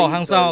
giữ bỏ hàng rào